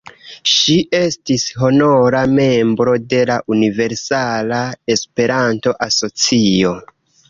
Ŝi estis honora membro de la Universala Esperanto-Asocio.